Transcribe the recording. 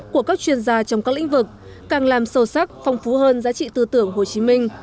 của các chuyên gia trong các lĩnh vực càng làm sâu sắc phong phú hơn giá trị tư tưởng hồ chí minh